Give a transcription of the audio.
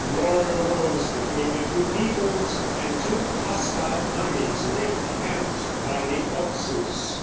War arose between the two peoples, and two hostile armies were encamped by the Oxus.